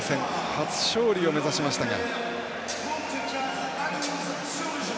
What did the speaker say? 初勝利を目指しましたが。